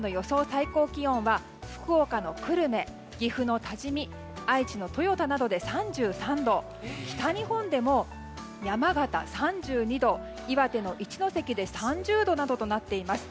最高気温は福岡の久留米、岐阜の多治見愛知の豊田などで３３度北日本でも、山形３２度岩手の一関で３０度などとなっています。